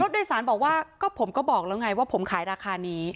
โดยสารบอกว่าก็ผมก็บอกแล้วไงว่าผมขายราคานี้